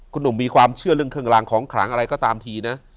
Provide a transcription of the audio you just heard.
คุณหนุ่มมีความเชื่อเรื่องเครื่องรางของขลังอะไรก็ตามทีนะ